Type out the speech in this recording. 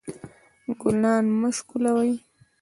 ګلان مه شکولوئ